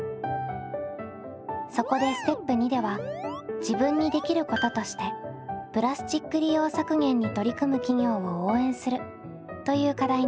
そこでステップ②では自分にできることとしてプラスチック利用削減に取り組む企業を応援するという課題に変更。